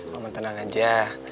mama tenang aja